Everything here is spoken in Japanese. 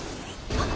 あっ！